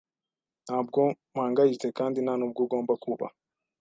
Ntabwo mpangayitse kandi ntanubwo ugomba kuba.